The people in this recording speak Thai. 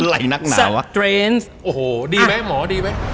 ที่๓สเตรนส์โอ้โหดีไหมหมอดีไหม